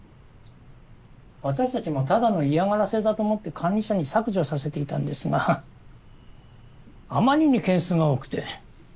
私たちもただの嫌がらせだと思って管理者に削除させていたんですがあまりに件数が多くて。